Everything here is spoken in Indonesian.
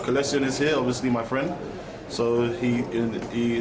dan michael essien di sini tentu saja teman saya